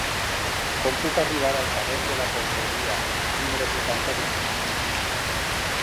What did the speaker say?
Com puc arribar al carrer de la Conreria número vuitanta-vuit?